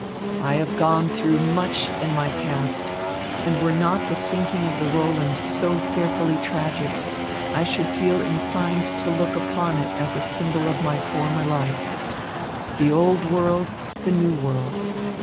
"I have gone through much in my past; and were not the sinking of the Roland so fearfully tragic, I should feel inclined to look upon it as a symbol of my former life. The Old World, the New World.